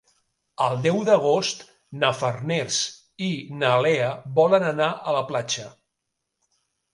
El deu d'agost na Farners i na Lea volen anar a la platja.